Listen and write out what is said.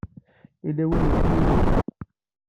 Yella win yeččan yid-went?